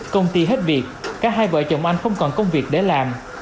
công ty hết việc cả hai vợ chồng anh không còn công việc để làm